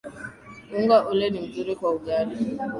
Unga ule ni mzuri kwa ugali.